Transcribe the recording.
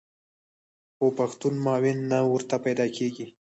خو پښتون معاون نه ورته پیدا کېږي.